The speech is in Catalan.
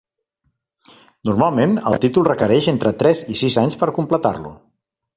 Normalment, el títol requereix entre tres i sis anys per completar-lo.